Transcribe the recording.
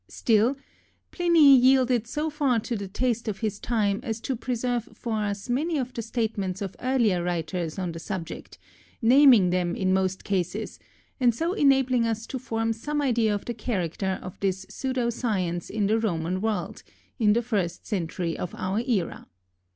Still, Pliny yielded so far to the taste of his time as to preserve for us many of the statements of earlier writers on the subject, naming them in most cases and so enabling us to form some idea of the character of this pseudo science in the Roman world in the first century of our era.